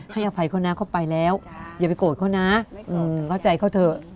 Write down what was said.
อภัยเขานะเขาไปแล้วอย่าไปโกรธเขานะเข้าใจเขาเถอะ